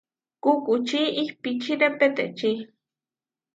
Kukuči ihpíčire peteči.